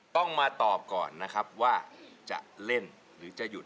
ต้องมาตอบก่อนนะครับว่าจะเล่นหรือจะหยุด